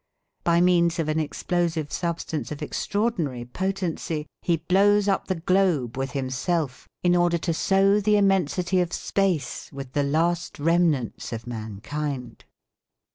By means of an explosive substance of extraordinary potency he blows up the globe with himself in order to sow the immensity of space with the last remnants of mankind.